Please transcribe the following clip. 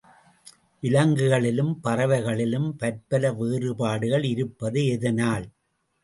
விலங்குகளிலும், பறவைகளிலும் பற்பல வேறுபாடுகள் இருப்பது எதனால்?